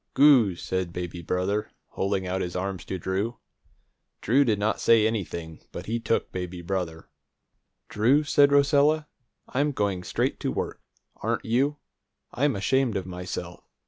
"Goo!" said baby brother, holding out his arms to Drew. Drew did not say anything, but he took baby brother. "Drew," said Rosella, "I'm going straight to work. Aren't you? I'm ashamed of myself.